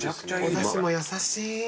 おだしも優しい。